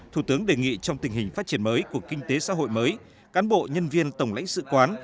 thủ tướng đề nghị trong tình hình phát triển mới của kinh tế xã hội mới cán bộ nhân viên tổng lãnh sự quán